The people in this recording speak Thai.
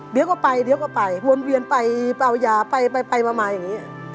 เดี๋ยวก็ไปเดี๋ยวก็ไปวนเวียนไปเป่ายาไปไปมาอย่างนี้